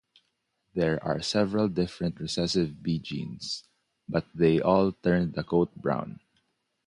There are several different recessive b genes, but they all turn the coat brown.